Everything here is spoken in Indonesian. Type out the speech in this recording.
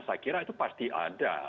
saya kira itu pasti ada